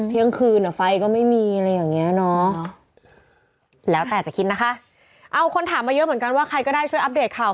เที่ยงคืนอ่ะไฟก็ไม่มีอะไรอย่างเงี้ยเนาะแล้วแต่จะคิดนะคะเอาคนถามมาเยอะเหมือนกันว่าใครก็ได้ช่วยอัปเดตข่าว